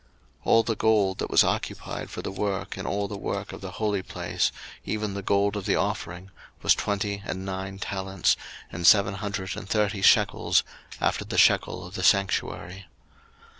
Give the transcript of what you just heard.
02:038:024 All the gold that was occupied for the work in all the work of the holy place, even the gold of the offering, was twenty and nine talents, and seven hundred and thirty shekels, after the shekel of the sanctuary.